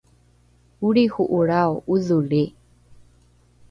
olriho’olrao ’odholri